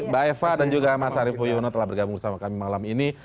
mbak eva dan juga mas arief puyono telah bergabung bersama kami malam ini